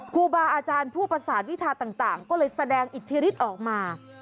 ครูบาอาจารย์ผู้ประสาทวิทาต่างก็เลยแสดงอิทธิฤทธิ์ออกมา